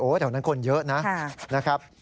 โอ๊ยแถวนั้นคนเยอะนะ